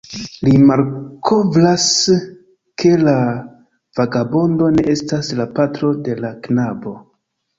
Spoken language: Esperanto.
Li malkovras, ke la vagabondo ne estas la patro de la knabo.